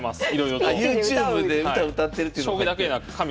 ＹｏｕＴｕｂｅで歌歌ってるっていうのも入ってる。